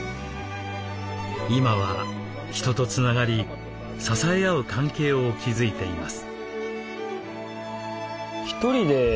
今は人とつながり支え合う関係を築いています。